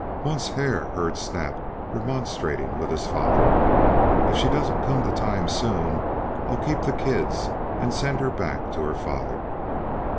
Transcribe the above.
Once Hare heard Snap remonstrating with his father. "If she don't come to time soon I'll keep the kids and send her back to her father."